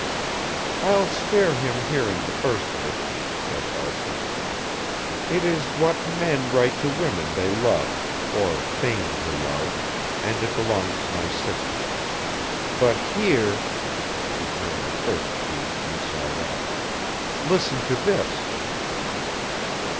"I'll spare him hearing the first of it," said Elsa. "It is what men write to women they love or feign to love, and it belongs to my sister. But here" she turned the first sheet inside out "listen to this."